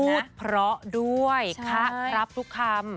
พูดเพราะด้วยคะครับทุกคำ